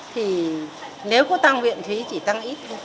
thì nếu có tăng viện phí chỉ tăng ít thôi